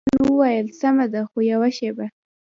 خان زمان وویل: سمه ده، خو یوه شېبه.